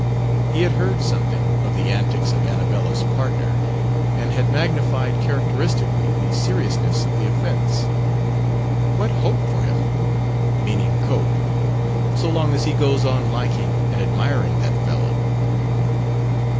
He had heard something of the antics of "Annabella's" partner and had magnified characteristically the seriousness of the offense. "What hope for him" meaning Cope "so long as he goes on liking and admiring that fellow?"